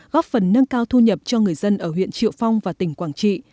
góp phần nâng cao thu nhập cho người dân ở huyện triệu phong và tỉnh quảng trị